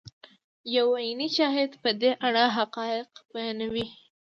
یو عیني شاهد په دې اړه حقایق بیانوي.